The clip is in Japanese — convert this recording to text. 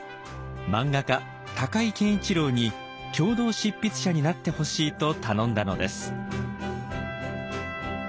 漫画家高井研一郎に共同執筆者になってほしいと頼んだのです。